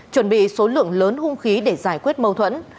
chuẩn bị số lượng lớn hung khí để giải quyết mâu thuẫn